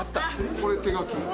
これ、手描き。